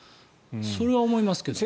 それは思いますけど。